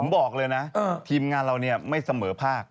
ผมบอกเลยนะทีมงานเราไม่เสมอภาค